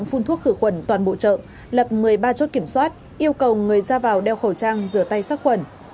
phun thuốc khử khuẩn toàn bộ chợ lập một mươi ba chốt kiểm soát yêu cầu người ra vào đeo khẩu trang rửa tay sát khuẩn